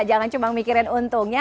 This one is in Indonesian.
jangan cuma mikirin untungnya